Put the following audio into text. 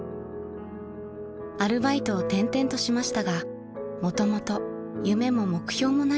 ［アルバイトを転々としましたがもともと夢も目標もない人生］